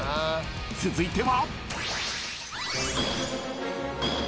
［続いては］